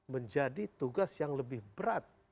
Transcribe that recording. menjadi tugas yang lebih berat